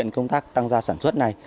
công tác tăng ra sản xuất này